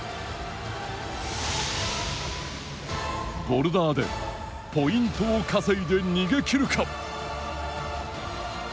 ボルダーでポイントを稼いで逃げきるか。